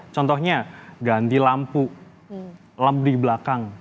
contohnya ganti lampu lem di belakang